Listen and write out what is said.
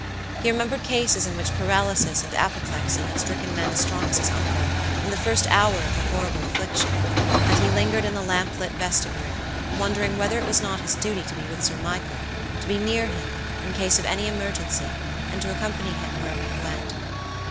He remembered cases in which paralysis and apoplexy had stricken men as strong as his uncle in the first hour of the horrible affliction; and he lingered in the lamp lit vestibule, wondering whether it was not his duty to be with Sir Michaelto be near him, in case of any emergency, and to accompany him wherever he went.